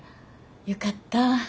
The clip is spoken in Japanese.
よかった。